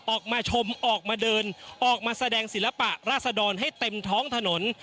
ออกมาชมออกมาเดินออกมาแสดงศิลปะราษดรให้เต็มท้องถนน